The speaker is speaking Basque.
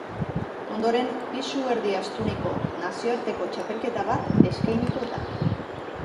Ondoren, pisu erdi astuneko nazioarteko txapelketa bat eskainiko da.